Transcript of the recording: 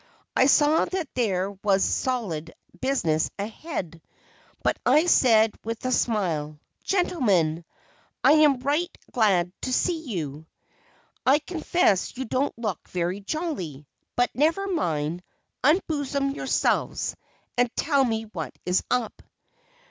I saw that there was solid business ahead, but I said with a smile: "Gentlemen, I am right glad to see you. I confess you don't look very jolly, but never mind, unbosom yourselves, and tell me what is up."